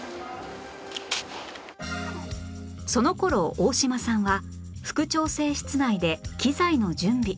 その頃大島さんは副調整室内で機材の準備